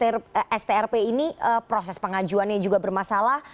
aturan kewajiban strp ini proses pengajuannya juga bermasalah